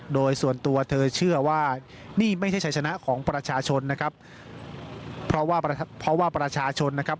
โดยส่วนตัวเธอเชื่อว่านี่ไม่ใช่ชัยชนะของประชาชนนะครับเพราะว่าเพราะว่าประชาชนนะครับ